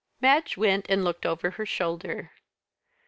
Madge went and looked over her shoulder.